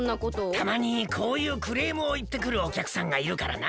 たまにこういうクレームをいってくるおきゃくさんがいるからな。